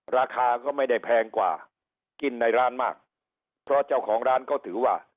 ราคาก็ไม่ได้แพงกว่ากินในร้านมากเพราะเจ้าของร้านก็ถือว่า